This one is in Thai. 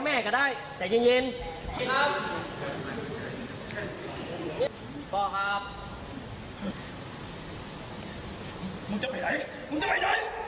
มึงจะไปไหนมึงจะไปไหน